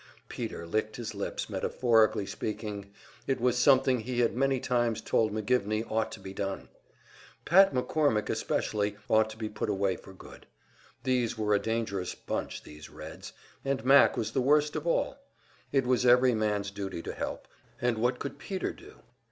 Peter licked his lips, metaphorically speaking. It was something he had many times told McGivney ought to be done. Pat McCormick especially ought to be put away for good. These were a dangerous bunch, these Reds, and Mac was the worst of all. It was every man's duty to help, and what could Peter do?